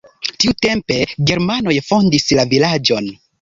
Tiutempe germanoj fondis la vilaĝon.